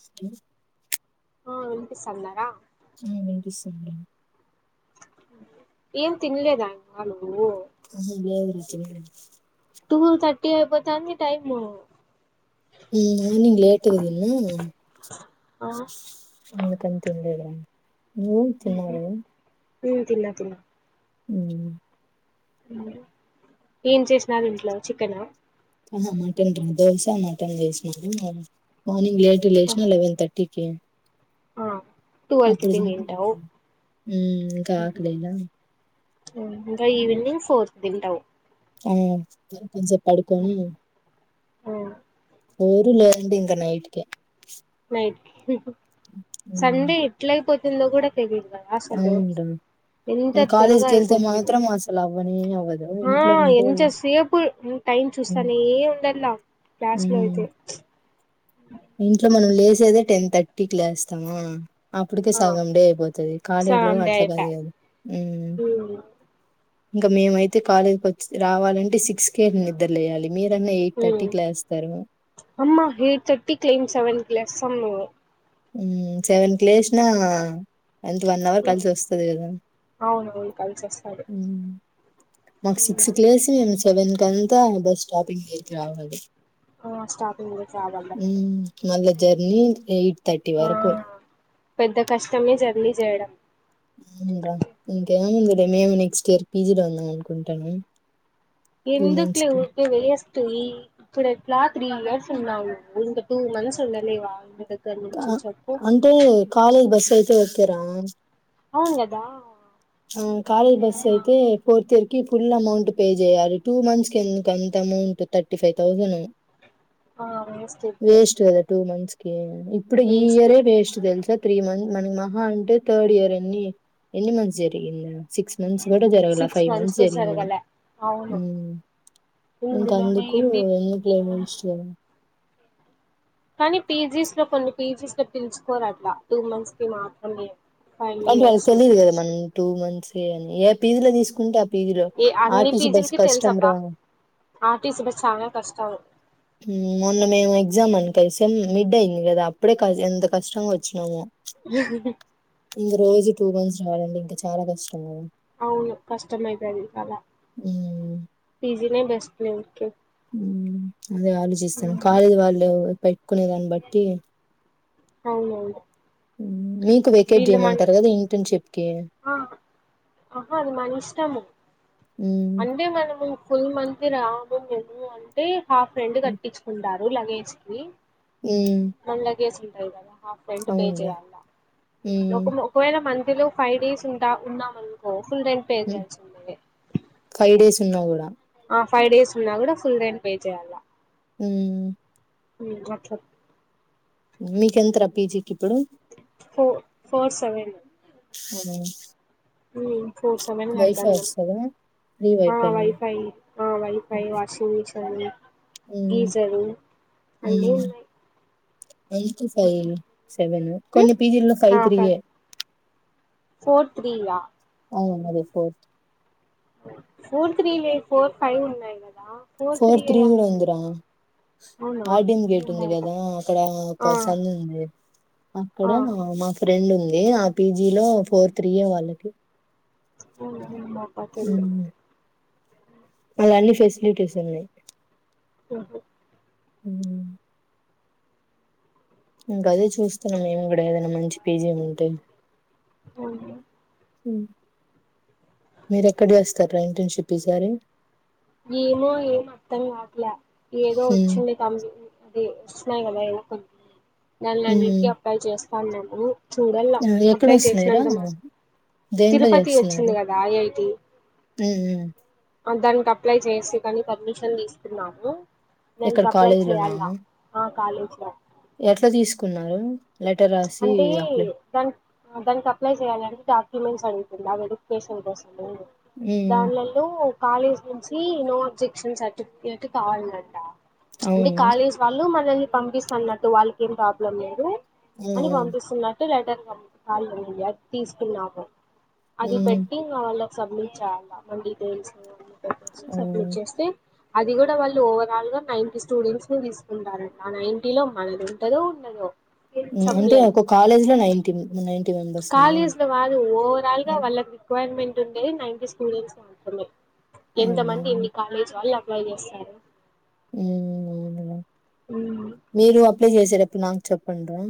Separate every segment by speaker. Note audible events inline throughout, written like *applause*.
Speaker 1: స్కే
Speaker 2: ఆ విన్పిస్సందారా
Speaker 1: అ విపిస్సుంది
Speaker 2: ఏం తన్లేదా ఇవ్వాల
Speaker 1: ఉహు లేదు రి తినడమే
Speaker 2: టూ థర్టీ అయిపోతాంది టైమూ
Speaker 1: ఉహ్ మార్నింగ్ లేట్ గ తిన్నా
Speaker 2: ఆ
Speaker 1: అందుకని తినలేదు నువ్ తినవు
Speaker 2: హు తిన్నా తిన్నా
Speaker 1: ఉమ్
Speaker 2: ఏం చేసినరు ఇంట్లో చికెన్
Speaker 1: ఆహ మటన్ దొ దోస మటన్ చేసిన మ మార్నింగ్ లేట్ లేశినా లెవెన్ థ టికే
Speaker 2: ఆ టువల్ కి
Speaker 1: అప్పుడు ఉమ్
Speaker 2: తినింటావు
Speaker 1: ఇంకా ఆకలేయ్లె
Speaker 2: ఇంకా ఈవినింగ్ ఫోర్ తింటావు
Speaker 1: ఆ కొంసేపు పడుకొని
Speaker 2: ఆ
Speaker 1: ఎవరు లేరండి ఇంక నైట్కి
Speaker 2: నైట్
Speaker 1: ఉమ్
Speaker 2: సండే ఎట్లయిపోతుందో గూడా తెలీదు గదా ఆసలు
Speaker 1: అవునురా
Speaker 2: ఎంత
Speaker 1: నేను
Speaker 2: త్వరగా
Speaker 1: కాలేజ్కి వెళ్తే
Speaker 2: అయ్పోతుందొ
Speaker 1: మాత్రం అసలు అవ్వనే అవ్వదు ఇంట్లో
Speaker 2: ఆహ్
Speaker 1: ఉంటే
Speaker 2: ఎంత సేపు టైం
Speaker 1: ఉమ్
Speaker 2: చూస్తానే ఉందన్న క్లాస్ లో
Speaker 1: ఉమ్.
Speaker 2: అయితే
Speaker 1: ఇంట్లో మనం లేసేదే టెన్ థర్టీకి లేస్తామా అప్పటికే
Speaker 2: ఆ
Speaker 1: సగం డే అయిపోతది కాలేజ్ లొ
Speaker 2: సండే
Speaker 1: అట్ల
Speaker 2: అయిపాయ్
Speaker 1: గాదు మ్
Speaker 2: ఉమ్
Speaker 1: ఇంక మేమైతే కాలేజ్కొచ్చి రావాలంటే సిక్స్ కే నిద్ర లెయాలి మీరన్న ఎయిట్ థర్టీ
Speaker 2: ఉమ్
Speaker 1: కి లెస్తారు
Speaker 2: ర్టికి లేన్ సెవెన్ కి లేస్తాము
Speaker 1: మ్ సెవెన్ కి లేశినా ఎంత వన్ అవర్ కలిసి వస్తది గదా
Speaker 2: అవునవును కలిసి వస్తది
Speaker 1: మ్ మాకు సిక్స్ కి లేసి మేము సెవెన్ కంతా బస్ స్టాపింగ్ దెగ్గ రావాలి
Speaker 2: అహ్ స్టార్టింగ్ చలవదు మీరు
Speaker 1: జెర్నీ ఎయిట్ థర్టీ
Speaker 2: ఆ
Speaker 1: వరకు
Speaker 2: పెద్ద కష్టమే జర్నీ జేయడం
Speaker 1: అదే మేము నెక్స్ట్ ఇయర్ పీజీలో వుందాం అనుకుంటానం
Speaker 2: ఏందుకులే ఊకే వేస్ట్ ఇ ఇప్పుడెట్లాగ్ త్రీ హయర్స్ ఉన్నావు ఇంక టూ మంత్స్ ఉండలేవా దగ్గర నుంచి
Speaker 1: అహ్
Speaker 2: చెప్పు
Speaker 1: అంటే కాలేజ్ బస్సు అయితే ఒకే రా
Speaker 2: అవున్ గదా
Speaker 1: ఆహ్ కాలేజ్ బసైతే ఫోర్త్ ఇయర్ కి ఫుల్ అమౌంట్ పే జేయాలి టూ మంత్స్ కి ఎందుకు అంత అమౌంట్ థర్టీ ఫై థౌసనూ
Speaker 2: ఆ వేస్ట్ ఊరికే
Speaker 1: వేస్ట్ గదా టూ మంత్స్ కి ఇప్పుడు ఈ
Speaker 2: వేస్ట్
Speaker 1: ఇయరే వేస్ట్ తెలుసా త్రీ మన్ మన మహా అంటే థర్డ్ ఇయర్ ఎన్ని ఎన్ని మంత్స్ జరిగింద సిక్స్ మంత్స్ గూడా జరగల
Speaker 2: సిక్స్
Speaker 1: ఫై మంత్స్
Speaker 2: కూడా
Speaker 1: జరిగింది
Speaker 2: జరగలే అవును
Speaker 1: మ్ ఇంక
Speaker 2: ఇందులోనే
Speaker 1: అందుకూ
Speaker 2: ఎన్ని
Speaker 1: ఎందుకులే వేస్ట్ చేయడం
Speaker 2: కనీ పీజీస్ లో కొన్ని పీజీస్ లో పిలుచుకోరు అట్ల టూ మంత్స్ కి మాత్రమే ఫైవ్
Speaker 1: అంటే వాళ్క్
Speaker 2: ఇయర్స్
Speaker 1: తెలీదు గదా మనం టూ మంత్సే అని ఏ పీజీలో తీసుకుంటే పీజీలో
Speaker 2: ఏ అన్ని
Speaker 1: ఆర్టీసి బస్
Speaker 2: పీజీలకి
Speaker 1: కష్టం
Speaker 2: తెలుసబ్బా
Speaker 1: రా
Speaker 2: ఆర్టీసీ బస్ చాలా కష్టం
Speaker 1: మ్ మొన్న మేము ఎగ్జామ్ అని కలిసాం మిడ్ అయింది గదా అప్పుడే క ఎంత కష్టంగా ఒచ్చినామో టూ మంత్స్ రావాలంటే ఇంక చాలా కష్టము
Speaker 2: అవును కష్టమయితది చాలా
Speaker 1: ఉమ్,
Speaker 2: పీజీనే బెస్ట్ లె ఇంక
Speaker 1: మ్ అదే ఆలోచిస్తున్న కాలేజి వాళ్ళు పెట్టుకునే దాన్ని బట్టి
Speaker 2: అవునవును
Speaker 1: ఉమ్, మీకు వేకేట్
Speaker 2: వీళ్ళు మన
Speaker 1: జేయమంటరు గదా ఇంటర్న్షిప్ కి
Speaker 2: అహా అది మన ఇష్టము
Speaker 1: ఉమ్,
Speaker 2: అంటే మనము ఫుల్ మంతి రాము మెము అంటే హాఫ్ రెంట్ కట్టించుకుంటారు లగేజ్ కి
Speaker 1: ఉమ్,
Speaker 2: మళ్ళ కేసుంటది గదా హాఫ్ రెంట్ పే
Speaker 1: అవునులే
Speaker 2: చేయాలా ఒకవేళ మంతి లొ ఫై డేస్ ఉంటా ఉన్నాం అనుకో ఫుల్ రెంట్ పే చేయాల్సి ఉన్నది
Speaker 1: ఫైవ్ డేస్ ఉన్నా కూడా
Speaker 2: అ ఫై డేస్ ఉన్నా గూడా ఫుల్ రెంట్ పే చేయాలా
Speaker 1: ఉమ్
Speaker 2: మ్ గట్ల
Speaker 1: మీకేంతరా పీజీకి ఇప్పుడు
Speaker 2: four four seven
Speaker 1: hmm
Speaker 2: um four seven కడ్తం మేము
Speaker 1: ఫ్రీ
Speaker 2: ఆ వైఫై ఆ వైఫై వాషింగ్ మిషన్ అన్ని
Speaker 1: ఉమ్
Speaker 2: అన్నీ
Speaker 1: ఉమ్
Speaker 2: ఉన్నాయి
Speaker 1: ఎన్త్ ఫైవ్ సెవెన్ కొన్ని పీజీల్లో ఫైవ్ త్రీయే
Speaker 2: ఫోర్ త్రియా
Speaker 1: అవును అది ఫోర్త్
Speaker 2: ఫోర్ త్రీ లే ఫోర్ ఫైవ్ ఉన్నాయి కదా ఫోర్
Speaker 1: పోర్ త్రీ కూడా
Speaker 2: కదండి.
Speaker 1: ఉందిరా
Speaker 2: అవునా
Speaker 1: ఆర్డన్ గేట్ ఉంది కదా అక్కడ ఒక సంద్ ఉంది అక్కడ మ మా ఫ్రెండ్ ఉంది ఆ పీజీ లో ఫోర్ త్రీయే వాళ్ళకి
Speaker 2: అవున ఏమో అబ్బ తెల్దు
Speaker 1: వన్ని ఫెసిలిటీస్ ఉన్నాయి
Speaker 2: అహ
Speaker 1: ఉమ్ ఇంకా అదే చూస్తున్నాం మేం కూడా ఏదైనా మంచి పీజీ ఉంటే
Speaker 2: అవునా
Speaker 1: మీరు ఎక్కడ చేస్తారా ఇంటర్షిప్ ఈ సారి
Speaker 2: ఏమో ఏం అర్థం కాట్ల ఏదో
Speaker 1: ఉమ్.
Speaker 2: వచ్చింది కంపెనీ అది చెప్పినా కదా ఏదో కంపెనీ అని దాన్లన్నిటికి
Speaker 1: ఉమ్.
Speaker 2: అప్లై చేస్తాన్నాము చూడల్ల
Speaker 1: ఎక్కడ
Speaker 2: అప్లై
Speaker 1: వస్తున్నాయిరా
Speaker 2: చేసినంతమా
Speaker 1: దేంట్లో
Speaker 2: తిరుపతి వచ్చింది
Speaker 1: చేస్తున్నారు
Speaker 2: కదా ఐఐటి అ దానికి అప్లై చేసి కని పర్మిషన్ తీసుకున్నాము
Speaker 1: ఇక్కడ
Speaker 2: దానికి అప్లై చెయాల
Speaker 1: కాలేజీలోనా
Speaker 2: ఆ కాలేజీ లా
Speaker 1: ఎట్లా తీసుకున్నారు లెటర్ రాసి
Speaker 2: అంటే
Speaker 1: అప్లై
Speaker 2: దానికి దానికి అప్లై చేయాలని డాక్యుమెంట్స్ అడుగు తుంది ఆ వెరిఫికేషన్ కోసము
Speaker 1: హ్మ్.
Speaker 2: దాండ్లలో కాలేజీ నుంచి నో అబ్జెక్షన్ సర్టిఫికెట్ కావాలంట అంటే
Speaker 1: అవును.
Speaker 2: కాలేజ్ వాళ్ళు మనల్ని పంపిస్తన్నట్టు వాళ్ళకి ఏం ప్రాబ్లం లేదు అని
Speaker 1: హ్మ్.
Speaker 2: పంపిస్తున్నట్టు లెటర్ అది తీసుకున్నాము
Speaker 1: హ్మ్.
Speaker 2: అది
Speaker 1: హ్మ్.
Speaker 2: పెట్టి ఇంగ వాళ్ళకి సబ్మిట్ చేయాలా మన డీటెయిల్స్ అన్ని పెట్టసి సబ్మిట్
Speaker 1: హ్మ్.
Speaker 2: చేస్తే అది కూడా వాళ్ళు ఓవరాల్ గా నైంటీ స్టూడెంట్స్ ని తీసుకుంటార ఆ నైంటీ లో మనది ఉంటదో ఉండదో
Speaker 1: మ్ అంటే
Speaker 2: చెప్పలేం
Speaker 1: ఒక కాలేజ్ లో నైంటీ మ్ నైన్
Speaker 2: కాలేజ్ లో కాదు ఓవరాల్ గా
Speaker 1: హ్మ్.
Speaker 2: వాళ్లకు రికవైర్మెంట్ ఉండేది నైంటీ స్టూడెంట్స్ మాత్రమే ఎంత
Speaker 1: అవునా?
Speaker 2: మంది ఎన్ని కాలేజ్ వాళ్ళు అప్లై చేస్తారు
Speaker 1: ఉమ్ అవును లే మీరు అప్లై చేసేట పుడు నాక్ చెప్పండి రా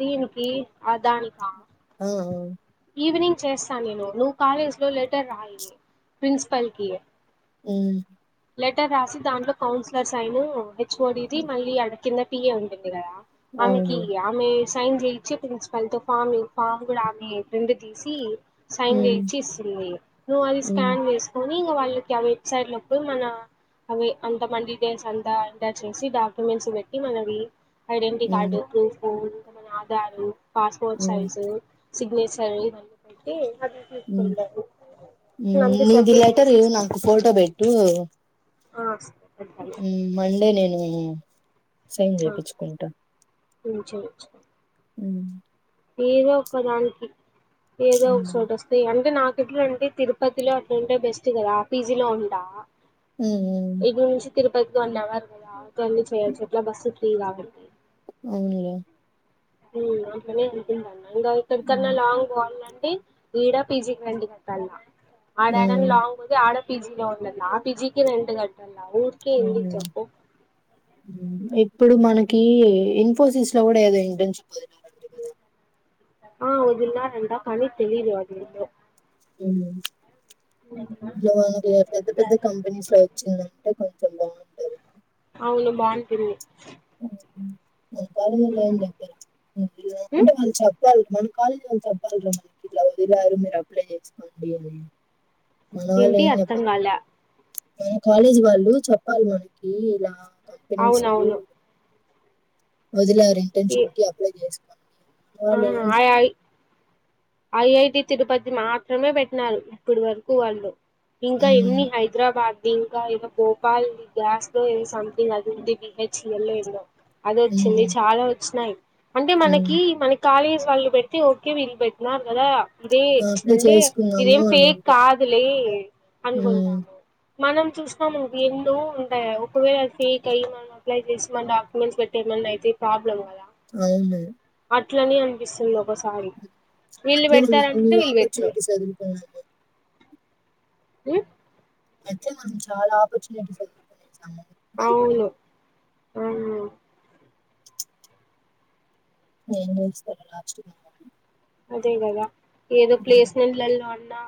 Speaker 2: దీనికి ఆదానికా
Speaker 1: అ అ
Speaker 2: ఈవినింగ్ చేస్తా నేను నువ్వు కాలేజీ లో లెటర్ రాయి ప్రిన్సిపల్ కి
Speaker 1: ఉమ్
Speaker 2: లెటర్ రాసి దాంట్లో counsellors sign H O D ది మల్లి అడ కింద టియే ఉంటుంది కదా ఆమె కీ
Speaker 1: అవునులే.
Speaker 2: ఆమె సైన్ చేయిచ్చి ప్రిన్సిపాల్ తో ఫామ్ ఫామ్ కూడా ఆమే ప్రింట్ తీసి సైన్
Speaker 1: హ్మ్.
Speaker 2: చేయిచ్చి ఇస్తుంది నువ్వు అది
Speaker 1: హ్మ్.
Speaker 2: స్కాన్ చేసుకొని ఇంగ వాళ్ళకి ఆ వెబ్సైట్ లో ఇప్పుడు మన అవి అంత మన డీటెయిల్స్ అంతా ఎంటర్ చేసి డాక్యుమెంట్స్ పెట్టి మనవి ఐడెంటిటీ
Speaker 1: హ్మ్.
Speaker 2: కార్డు ప్రూఫ్ ఆధార్ పాస్పోర్ట్
Speaker 1: హ్మ్.
Speaker 2: సైజు సిగ్నేచర్ ఇవన్నీ వేట్టి
Speaker 1: ఉ మ్
Speaker 2: అంతే
Speaker 1: నీది
Speaker 2: సబ్మిట్
Speaker 1: లెటరు నాకు ఫోటో బెట్టు
Speaker 2: అ సరే
Speaker 1: మండే నేను సిమ్ చేపిచుకుంట
Speaker 2: ఉమ్ చేయించుకో
Speaker 1: ఉమ్
Speaker 2: ఏదో ఒక్క దానికి ఏదో ఒక
Speaker 1: హ్మ్.
Speaker 2: సోటొస్తే అంటే నాక్ అట్లుంటె తిరుపతిలో అట్లాంటే బెస్ట్ కదా ఆ పీజీ లో ఉంటా
Speaker 1: హు్ హు్ హ్
Speaker 2: ఇటు నుంచి తిరుపతికి వన్ అవర్ కదా ఆవ్తని చేయొచ్చు అట్లా బస్ ఎక్కిరానికి
Speaker 1: అవునులే
Speaker 2: ఉమ్ అట్లనే ఉంటుందన్న ఇంగ ఇప్పుడ్ కన్నా
Speaker 1: హ్మ్.
Speaker 2: లాంగ్ పోవాలంటే ఈడ పీజీ రెంట్ కట్టల అడా అది లాంగ్ ఉంది ఆడ పిజిలో ఉండల ఆ పిజికి రెంట్ గంటల్ల ఊరికే
Speaker 1: అవునా!
Speaker 2: ఎందుచ్చప్పు
Speaker 1: ఇప్పుడు మనకి ఇన్ఫోసిస్ లో గుడా ఏదో ఇంటర్న్షిప్ పోయినారంట
Speaker 2: ఆ వదిల్నారంట కానీ తెలిదు అదెంది
Speaker 1: ఉమ్ ఇలాంటి పెద్ద పెద్ద కంపెనీస్ లో వచ్చిందంటే కొంచెం బాగుంటది
Speaker 2: అవును బాగుంటుంది
Speaker 1: *unintelligible* అంటే
Speaker 2: ఉమ్
Speaker 1: వాళ్లు చెప్పాలి మన కాలేజ్ వాలు చెప్పాలోగా మనకి ఇట్లా వదిలారు మీరు అప్లై చేసుకోండి అని మన వాళ్ళు
Speaker 2: ఏంటి
Speaker 1: ఏం
Speaker 2: అర్థం
Speaker 1: చెప్పారు
Speaker 2: కాలే
Speaker 1: మన కాలేజీ వాళ్ళు చెప్పాలి మనకీ ఇలా కంపెనీస్లు
Speaker 2: అవునవును
Speaker 1: వదిలారు ఇంటర్న్షిప్ కి అప్లై చేస్
Speaker 2: ఆహ్ ఆయయి ఐఐటి తిరుపతి మాత్రమే బెట్టినారు ఇప్పుడ్ వరకు వాళ్ళు ఇంకా
Speaker 1: హ్మ్.
Speaker 2: ఎన్ని హైదరాబాద్ ఇంకా ఇదో భోపాల్ గ్యాస్ థో సంథింగ్ అది ఉంది బిహెచ్ఎల్ లో ఏందో అదొచ్చింది
Speaker 1: హ్మ్.
Speaker 2: చాలా వచ్చినాయి అంటే
Speaker 1: హ్మ్.
Speaker 2: మనకీ మన కాలేజ్ వాళ్ళు బెట్టి ఓకే వీళ్ళు బెటినన్నారు గదా ఇదే
Speaker 1: అప్లై
Speaker 2: అంటే
Speaker 1: చేసుకున్నాము
Speaker 2: ఇదేం
Speaker 1: అని
Speaker 2: ఫక్
Speaker 1: అంటు
Speaker 2: కాదులే
Speaker 1: హ్మ్
Speaker 2: అనుగుంటాము మనం చూస్తాము ఏందో ఉంటాయి ఒకవేళ ఫేక్ అయి మనం అప్లై జేసి మన డాక్యుమెంట్స పెట్టినం అల అయితే ప్రాబ్లమ్ గదా
Speaker 1: అవును
Speaker 2: అట్లనే అనిపిస్తుంది ఒక్కోసారి
Speaker 1: అట్లనే మనం ఎనో ఆపర్చునిటీస్ ఒదులుకున్నాము
Speaker 2: హు్
Speaker 1: అయితే మనం చాలా ఆపర్చునిటీస్ ఒదులుకునేసాము భయపడి
Speaker 2: అవునా
Speaker 1: ఏం చేస్తారో లాస్ట్ కి
Speaker 2: అదే గదా ఏదో ప్లేస్మెంట్లలో అన్నా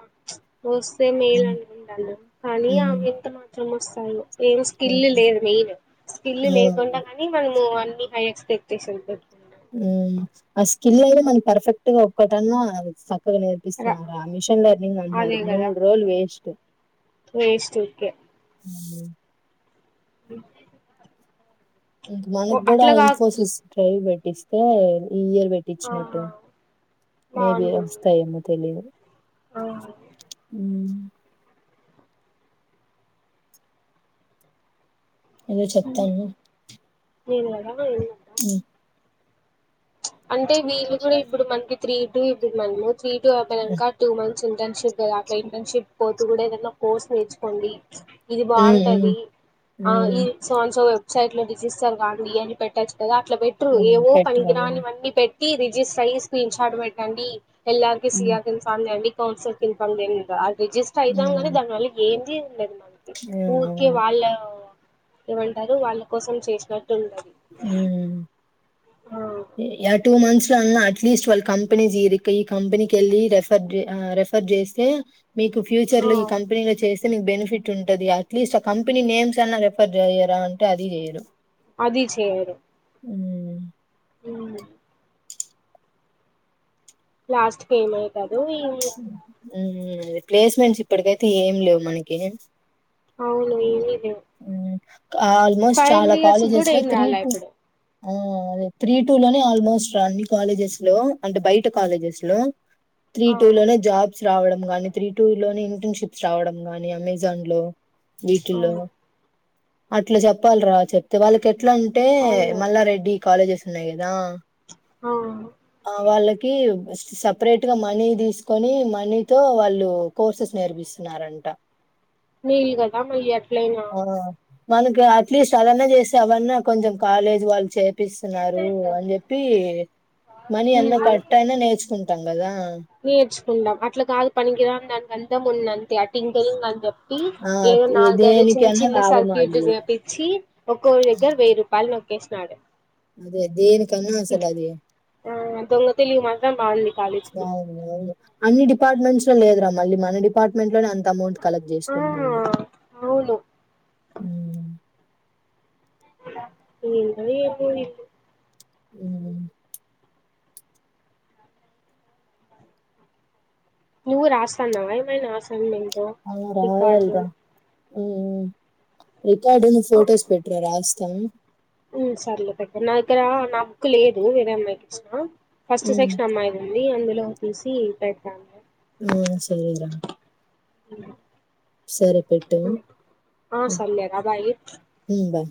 Speaker 2: వస్తే మేల్ అనుకుంటాన కానీ ఆవి
Speaker 1: హ్మ్.
Speaker 2: ఎంత మాత్రం వస్తాయో ఏం స్కిల్
Speaker 1: అవునా?
Speaker 2: లేదు మెయిన్ స్కిల్
Speaker 1: ఆ!
Speaker 2: లేకుండా
Speaker 1: అవును.
Speaker 2: గానీ మనము అని హై ఎక్స్పెక్టేషన్స్ పెట్టుకున్నాం
Speaker 1: ఉమ్ ఆ స్కిల్ ఏవి మనక్ పర్ఫెక్ట్ గా ఒక్కటన్న స పోనీ
Speaker 2: రా
Speaker 1: నేర్పిస్తున్నారా ఆ మిషన్ లర్నింగ్ అంటున్నారు
Speaker 2: అదే కదా
Speaker 1: మూడు రోజులు వేస్ట్
Speaker 2: వేస్ట్ ఉర్కే
Speaker 1: ఉమ్. మనక్
Speaker 2: ఓ
Speaker 1: గూడ
Speaker 2: అట్లా కాక్
Speaker 1: ఇన్ఫోసిస్ ట్రైవ్ పెట్టిస్తే ఈ ఇయర్
Speaker 2: ఆ
Speaker 1: వెట్టిచ్చినట్టు మేబి వస్తాయేమో తెలిదు
Speaker 2: ఆహ్.
Speaker 1: ఉమ్. ఎదో చెప్తా అన్నావ్.
Speaker 2: నేను గదా ఎమి.
Speaker 1: ఉమ్.
Speaker 2: ప్చ్ అంటే వీళ్ళు కూడా ఇప్పుడు మనకి త్రీ టూ ఇప్పుడు మనము త్రీ టూ
Speaker 1: హ్మ్.
Speaker 2: అవ్వటానికా టూ మంత్. ఇంటర్షిప్ గదా అట్లా ఇంటర్న్షిప్ పోతూ గూడ ఏదన్న కోర్స్ నేర్చుకోండి. ఇది
Speaker 1: హ్మ్.
Speaker 2: బాగుంటది
Speaker 1: హ్మ్.
Speaker 2: ఆహ్ ఇది
Speaker 1: హ్మ్.
Speaker 2: సో అన్ సో. సైట్ లో డిజిస్టర్ గాదు ఇయని పెట్టచ్చు కదా అట్లా బెట్టు
Speaker 1: హ్మ్.
Speaker 2: ఏవో
Speaker 1: పెట్టాలి.
Speaker 2: పనికిరానివి అన్ని. పెట్టి రిజిస్టర్ అయ్యి స్క్రీన్ షార్ట్ పెట్టండి ఎల్లార్కి
Speaker 1: హ్మ్.
Speaker 2: సిఆర్కి ఇన్ఫార్మ్ చేయండి. కౌన్సల్ కి ఇన్ఫర్మ్ చేయండి ఇంగ ఆది రిజిస్టర్ అయితాం గాని
Speaker 1: హ్మ్.
Speaker 2: దాని వల్ల ఎంది *unintelligible*
Speaker 1: హ్మ్.
Speaker 2: ఊరికె
Speaker 1: అవును.
Speaker 2: వాళ్ళ ఏమంటారు వాళ్ళ కోసం చేసినట్.
Speaker 1: ఉమ్
Speaker 2: ఆ
Speaker 1: యా టూ మంత్స్. అన్న అట్లీస్ట్ వాల్ కంపెనీ జిడీ కెళ్ళి ఈ కంపెనీకి వెళ్ళి రెఫర్ ఆహ్ రెఫర్ చేస్తే. మీకు ఫ్యూచర్
Speaker 2: ఆ
Speaker 1: లో ఈ కంపెనీలో చేస్. కంపెనిక్ బెనిఫిట్ ఉంటది అట్లీస్ట్ ఆ కంపెనీ నేమ్స్ అన్నా రిఫర్ చెయ్యరా అంటే అది చెయ్యరు.
Speaker 2: అది చేయారు.
Speaker 1: ఉమ్.
Speaker 2: ఉమ్. లాస్ట్కేమైతద్.
Speaker 1: ఉమ్ అదే ప్లేస్మెంట్స్ ఇప్పటికైతే ఏం లేవు మనకి.
Speaker 2: అవును ఎం జెత్.
Speaker 1: ఉమ్ ఆల్మోస్ట్ చాలా
Speaker 2: ఇయర్స్
Speaker 1: కాలేజెస్
Speaker 2: కూడా
Speaker 1: లో
Speaker 2: ఏం
Speaker 1: త్రీ
Speaker 2: రాలే
Speaker 1: టూ.
Speaker 2: ఇప్పుడు
Speaker 1: ఆహ్ అదే త్రీ టూ లోనే ఆల్మోస్ట్ అన్ని కాలేజెస్ లో అంటే బయట కాలేజెస్ లో. త్రీ
Speaker 2: ఆ
Speaker 1: టూ లోనే జాబ్స్ రావడం గాని త్రీ టూ లోనే ఇంటర్న్షిప్స్ రావడం గాని అమెజాన్ లో.
Speaker 2: ఆ
Speaker 1: వీటిల్లో అట్లా చెప్పాల్రా చెప్తే వాళ్ళకి ఎట్. ఎట్లా అంటే
Speaker 2: అవును
Speaker 1: మల్లారెడ్డి కాలేజెస్ ఉన్నాయి గదా.
Speaker 2: ఆ
Speaker 1: ఆహ్ వాళ్ళకి బేస్. సపరేట్ గా మనీ తీసుకొని మనీతో వాళ్ళు కోర్సెస్ నేర్పిస్తున్నారంట.
Speaker 2: మెల్ గదా మయి అట్లయినా.
Speaker 1: ఆ మనకి అట్లీస్ట్ అదన్నా చేస్తే అవన్నా కొంచెం కాలేజీ వాళ్ళు చెప్. చేప్పిస్తున్నారు అని చెప్పి. మనీ
Speaker 2: ఉమ్
Speaker 1: అన్న ఖర్చు అయినా నేర్చుకుంటాం కదా
Speaker 2: నేర్చుకుందాం అట్లా కాదు పనికిరాన్ దాని. గంధం ఉన్నంతే ఆ టింకల్ మంజప్. హ్మ్
Speaker 1: ఆ
Speaker 2: ఏదో
Speaker 1: ఏ-
Speaker 2: నాలుగైదు చిన్
Speaker 1: దేనికైనా
Speaker 2: చిన్న
Speaker 1: లాభం
Speaker 2: సర్క్యూట్
Speaker 1: అది
Speaker 2: ను జేపించి ఒక్కొరి దగ్గర వెయ్యి రూపాయలు నోక్. కేష్నాడు.
Speaker 1: అదే దేని కన్నా అసలు అది.
Speaker 2: ఆ దొంగ తెలివి మాత్రం బాగుంది కాలేజీకి
Speaker 1: అన్ని డిపార్ట్మెంట్స్ లో లేదు రమ్. మళ్ళీ మన డిపార్ట్మెంట్ లోనే అంత అమౌంట్ కలెక్ట్
Speaker 2: ఆ
Speaker 1: చేసుకోని బోయింది.
Speaker 2: అవును
Speaker 1: ఉమ్.
Speaker 2: ఏందో ఏమో ఇది.
Speaker 1: ఉమ్ ప్చ్.
Speaker 2: నువ్వు రాస్త అన్నవా ఏమైనా అసైన్మెంట్.
Speaker 1: అవును
Speaker 2: రికార్డు
Speaker 1: రాయలీరా. ఉమ్ రికార్డు నువ్వు
Speaker 2: ఆ,
Speaker 1: ఫొటోస్ పెట్రా రాస్తా.
Speaker 2: ఉమ్ సర్లే పెడ్త్ నా దగ్గర నా బుక్కు లేదు వేరే అమ్మాయికిచ్చిన. ఫస్ట్
Speaker 1: ఉమ్,
Speaker 2: సెక్షన్ అమ్మాయిది ఉంది అందులో చూసి పెడుత్.
Speaker 1: ఉమ్ సరే రా. పెట్టు
Speaker 2: ఆ
Speaker 1: ఉమ్,
Speaker 2: సర్లెరా బాయ్
Speaker 1: ఉమ్, బాయ్